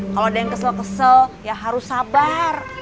kalau ada yang kesel kesel ya harus sabar